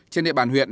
trên địa bàn huyện